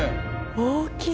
大きい。